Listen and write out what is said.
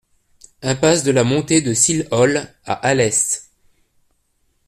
Impasse de la Montée de Silhol à Alès